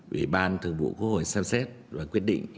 ủy ban thượng vụ cổ hội xem xét và quyết định